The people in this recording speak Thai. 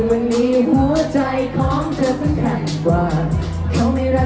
เป็นแรงว่าการ